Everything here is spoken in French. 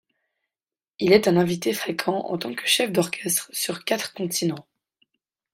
Il est un invité fréquent en tant que chef d'orchestre sur quatre continents.